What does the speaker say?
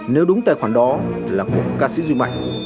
nếu đúng tài khoản đó là của ca sĩ duy mạnh